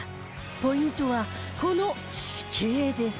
ポイントはこの地形です